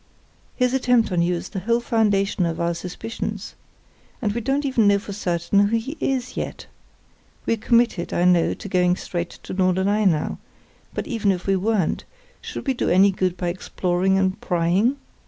His attempt on you is the whole foundation of our suspicions. And we don't even know for certain who he is yet. We're committed, I know, to going straight to Norderney now; but even if we weren't, should we do any good by exploring and prying?